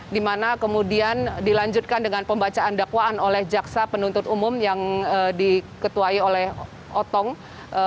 dimana kemudian dilanjutkan dengan pembacaan dakwaan oleh jaksa penuntut umum yang diketuai oleh otong di jpu di kantor kejasaan negeri bali sendiri